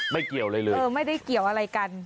เกี่ยวอะไรเลยเออไม่ได้เกี่ยวอะไรกัน